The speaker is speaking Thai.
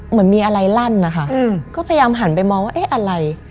เหมือนมีอะไรลั่นนะคะก็พยายามหันไปมองว่าเอ๊ะอะไร